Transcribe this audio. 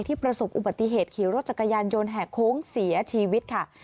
ประสบอุบัติเหตุขี่รถจักรยานยนต์แหกโค้งเสียชีวิตค่ะ